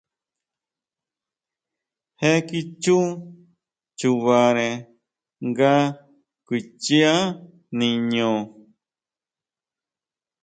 Je kichú chubare nga kuichia niño.